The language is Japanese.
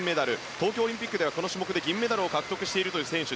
東京オリンピックではこの種目で銀メダルを獲得した選手。